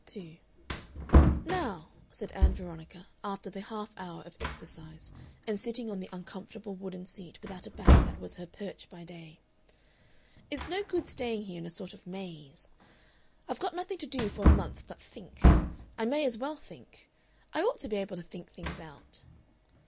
Part 2 "Now," said Ann Veronica, after the half hour of exercise, and sitting on the uncomfortable wooden seat without a back that was her perch by day, "it's no good staying here in a sort of maze. I've got nothing to do for a month but think. I may as well think. I ought to be able to think things out.